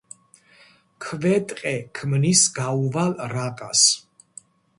ქვეტყე ქმნის გაუვალ რაყას.